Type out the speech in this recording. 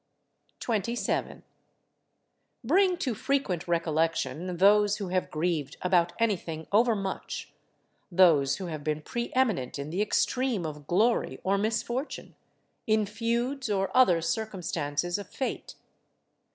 27. Bring to frequent recollection those who have grieved about anything overmuch, those who have been pre eminent in the extreme of glory or misfortune, in feuds or other circumstances of fate.